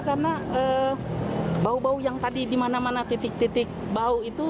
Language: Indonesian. karena bau bau yang tadi di mana mana titik titik bau itu